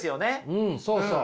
うんそうそう。